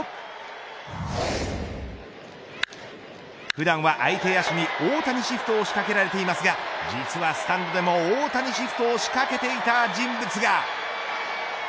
普段は相手野手に大谷シフトを仕掛けられていますが実はスタンドでも大谷シフトを仕掛けていた人物が。